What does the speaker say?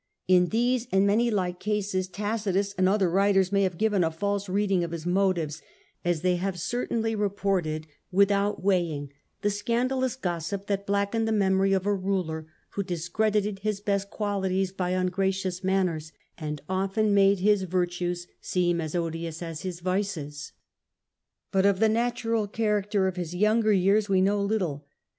In these and many like cases Tacitus go^silmoo other writers may have given a false lightly ; reading of his motives, as they have certainly reported without weighing the scandalous gossip that blackened the memory of a ruler who discredited his best qualities by ungracious manners, and often made his virtues seem as odious as his vices. But of the natural character of his younger years we know little.